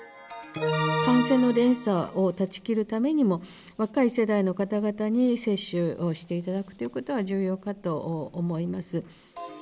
感染の連鎖を断ち切るためにも、若い世代の方々に接種をしていただくということは重要かと思います。